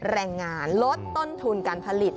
แรงงานลดต้นทุนการผลิต